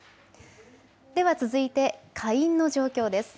では続いて下院の状況です。